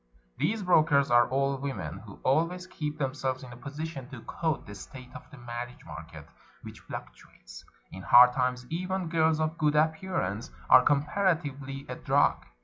These brokers are old women, who always keep themselves in a position to quote the state of the marriage market, which fluctuates. In hard times, even girls of good appearance are comparatively a drug.